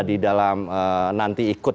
di dalam nanti ikut